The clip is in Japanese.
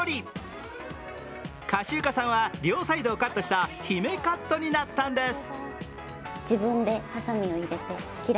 かしゆかさんは両サイドをカットした姫カットになったんです。